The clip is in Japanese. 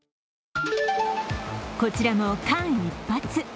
こちらも間一髪。